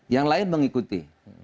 yang lain mengikuti